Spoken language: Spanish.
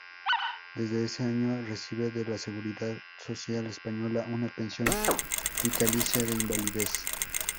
Desde ese año recibe de la Seguridad Social española una pensión vitalicia de invalidez.